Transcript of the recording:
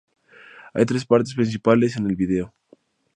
Hay tres partes principales en el vídeo.